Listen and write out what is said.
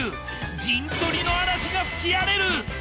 陣取りの嵐が吹き荒れる！